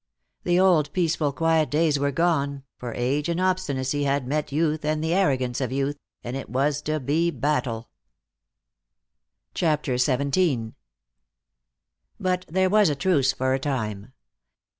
The old peaceful quiet days were gone, for age and obstinacy had met youth and the arrogance of youth, and it was to be battle. CHAPTER XVII But there was a truce for a time.